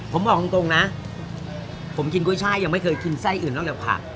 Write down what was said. ผมบอกตรงนะผมกินก๋วยไช่ยังไม่เคยกินไส้อื่นแล้วแหละค่ะ